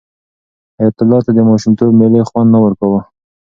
حیات الله ته د ماشومتوب مېلې خوند نه ورکاوه.